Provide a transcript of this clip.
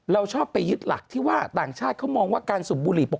เราชอบไปยึดหลักที่ว่าต่างชาติเขามองว่าการสูบบุหรี่